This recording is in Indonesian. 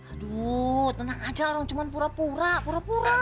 aduuh tenang aja arang itu cuma pura pura pura pura